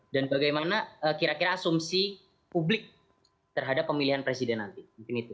dan bagaimana kira kira asumsi publik terhadap pemilihan presiden nanti